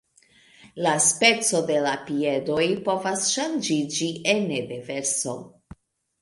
La speco de la piedoj povas ŝanĝiĝi ene de verso.